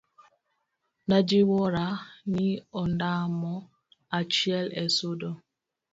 najiwora ni ondamo achiel e sudo